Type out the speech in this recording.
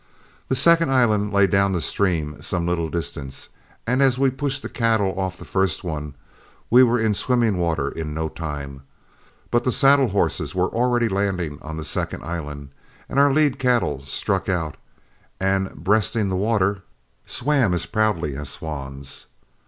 The second island lay down the stream some little distance; and as we pushed the cattle off the first one we were in swimming water in no time, but the saddle horses were already landing on the second island, and our lead cattle struck out, and, breasting the water, swam as proudly as swans.